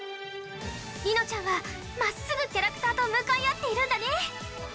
リノちゃんはまっすぐキャラクターと向かい合っているんだね。